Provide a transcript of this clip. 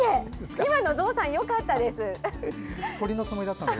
今のゾウさん、よかったです。